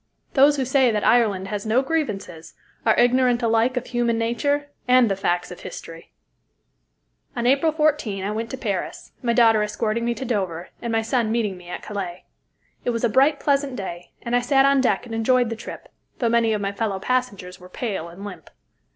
Those who say that Ireland has no grievances are ignorant alike of human nature and the facts of history. On April 14 I went to Paris, my daughter escorting me to Dover, and my son meeting me at Calais. It was a bright, pleasant day, and I sat on deck and enjoyed the trip, though many of my fellow passengers were pale and limp.